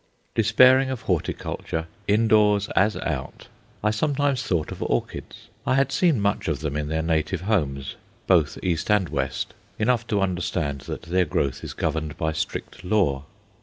Despairing of horticulture indoors as out, I sometimes thought of orchids. I had seen much of them in their native homes, both East and West enough to understand that their growth is governed by strict law.